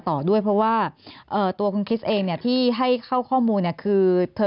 ต่อด้วยเพราะว่าตัวคุณคริสเองเนี่ยที่ให้เข้าข้อมูลเนี่ยคือเธอ